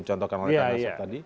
contohkan oleh pak rasad tadi